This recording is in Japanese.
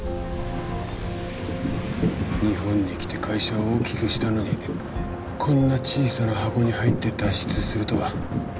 日本に来て会社を大きくしたのにこんな小さな箱に入って脱出するとは。